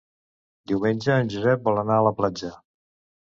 Diumenge en Josep vol anar a la platja.